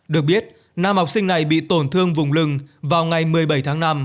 được biết nam học sinh này bị tổn thương vùng lưng vào ngày một mươi bảy tháng năm